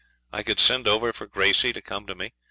I could send over for Gracey to come to me.